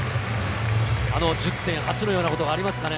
あの１０・８のようなことがありますかね。